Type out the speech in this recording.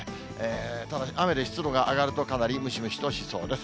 ただ雨で湿度が上がるとかなりムシムシとしそうです。